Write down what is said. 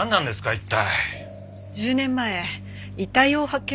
一体。